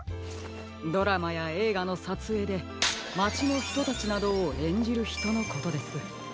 ドラマやえいがのさつえいでまちのひとたちなどをえんじるひとのことです。